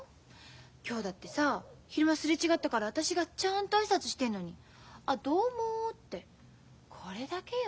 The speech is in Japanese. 今日だってさ昼間擦れ違ったから私がちゃんと挨拶してんのに「あどうも」ってこれだけよ。